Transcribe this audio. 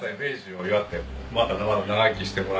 まだまだ長生きしてもらうように。